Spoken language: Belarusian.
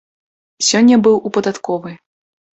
Сёння быў у падатковай.